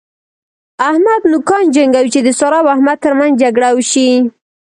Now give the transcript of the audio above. احمد نوکان جنګوي چې د سارا او احمد تر منځ جګړه وشي.